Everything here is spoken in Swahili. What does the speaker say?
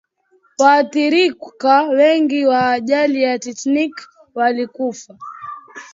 waathirika wengi wa ajali ya titanic walikufa